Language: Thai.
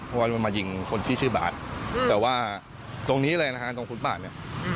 เพราะว่ามันมายิงคนที่ชื่อบาทแต่ว่าตรงนี้เลยนะฮะตรงฟุตบาทเนี่ย